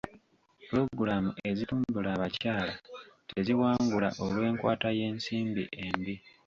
Pulogulaamu ezitumbula abakyala teziwangula olw'enkwata y'ensimbi embi.